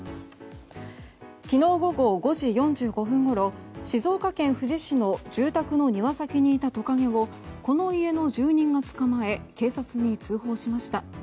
昨日午後５時４５分ごろ静岡県富士市の住宅の庭先にいたトカゲをこの家の住人が捕まえ警察に通報しました。